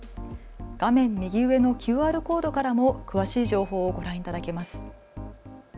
画面右上のＱＲコードからも詳しい情報をご覧いただけます。